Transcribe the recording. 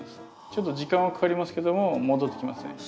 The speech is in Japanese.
ちょっと時間はかかりますけども戻ってきますね。